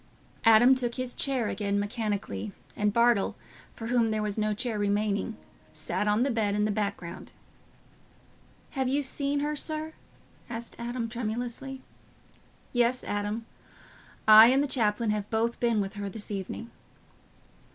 Adam took his chair again mechanically, and Bartle, for whom there was no chair remaining, sat on the bed in the background. "Have you seen her, sir?" said Adam tremulously. "Yes, Adam; I and the chaplain have both been with her this evening."